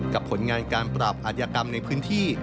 ผลงานการปราบอาธิกรรมในพื้นที่